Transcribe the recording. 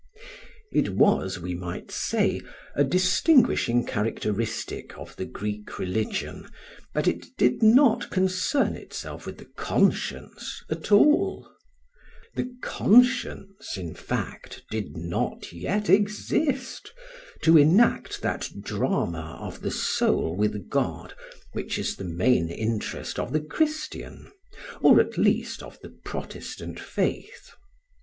It was, we might say, a distinguishing characteristic of the Greek religion that it did not concern itself with the conscience at all; the conscience, in fact, did not yet exist, to enact that drama of the soul with God which is the main interest of the Christian, or at least of the Protestant faith.